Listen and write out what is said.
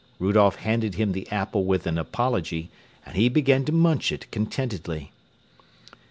Rudolph handed him the apple with an apology, and he began to munch it contentedly.